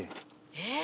えっ？